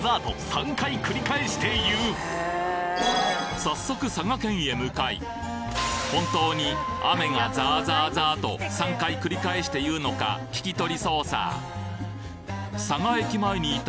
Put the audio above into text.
早速佐賀県へ向かい本当に雨がザーザーザーと３回繰り返して言うのか聞き取り捜査！